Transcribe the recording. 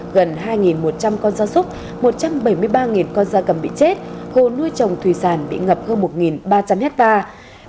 gần hai một trăm linh con gia súc một trăm bảy mươi ba con da cầm bị chết hồ nuôi trồng thủy sản bị ngập hơn một ba trăm linh hectare